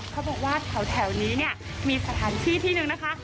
เขาบอกว่าแถวนี้เนี่ยมีสถานที่ที่หนึ่งนะคะ